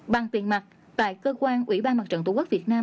bằng tiền mặt tại cơ quan ủy ban mặt trận tổ quốc việt nam